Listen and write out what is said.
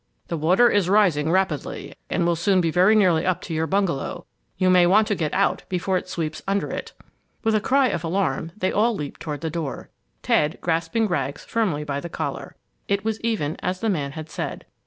The water is rising rapidly and will soon be very nearly up to your bungalow. You may want to get out before it sweeps under it!" With a cry of alarm, they all leaped toward the door, Ted grasping Rags firmly by the collar. It was even as the man had said.